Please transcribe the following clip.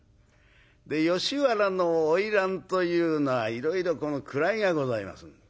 吉原の花魁というのはいろいろ位がございます。